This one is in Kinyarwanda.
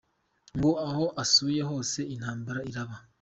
Ngo aho asuye hose intambara iraba.